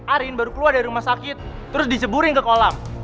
arin baru keluar dari rumah sakit terus diceburin ke kolam